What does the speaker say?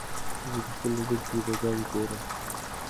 زه په خپل موبایل کې ویډیوګانې ګورم.